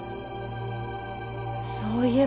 そういえば。